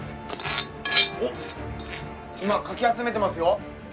今かき集めてますよ。